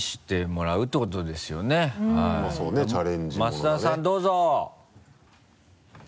増田さんどうぞ！